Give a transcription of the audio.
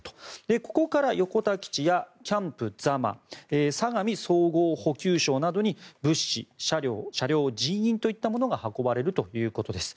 ここから横田基地やキャンプ座間相模総合補給廠などに物資、車両、人員といったものが運ばれるということです。